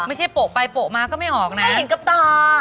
โปะไปโปะมาก็ไม่ออกนะเห็นกับตา